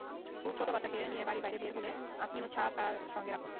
খুব ছোট বাচ্চাকে নিয়ে বাড়ির বাইরে বের হলে আপনিও ছাতা সঙ্গে রাখুন।